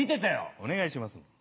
お願いします。